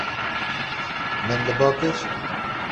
Min li ba kir.